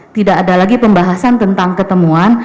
tidak ada lagi pembahasan tentang ketemuan